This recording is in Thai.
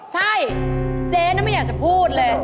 ใช่เจ๊ไม่อยากจะพูดเลย